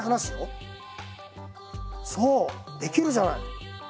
そうできるじゃない！